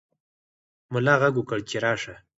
ملا غږ وکړ چې راشه.